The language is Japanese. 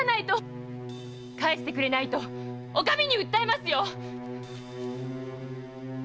返してくれないとお上に訴えますよ！